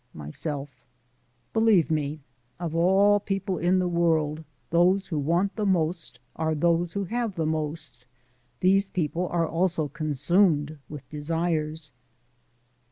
MYSELF: Believe me, of all people in the world those who want the most are those who have the most. These people are also consumed with desires.